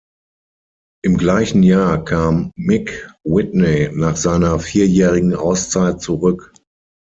Im gleichen Jahr kam Mick Whitney nach einer vierjährigen Auszeit zurück.